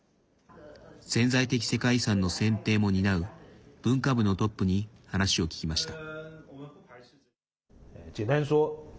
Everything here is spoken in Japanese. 潜在的世界遺産の選定も担う文化部のトップに話を聞きました。